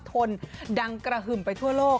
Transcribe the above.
ทนดังกระหึ่มไปทั่วโลก